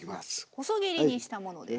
細切りにしたものですね。